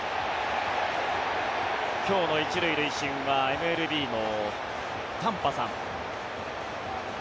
今日の１塁塁審はＭＬＢのタンパさん。